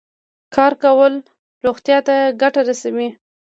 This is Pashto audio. کار کول روغتیا ته ګټه رسوي.